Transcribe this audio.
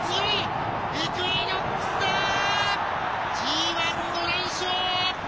ＧＩ５連勝。